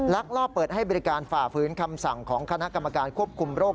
ลักลอบเปิดให้บริการฝ่าฝืนคำสั่งของคณะกรรมการควบคุมโรค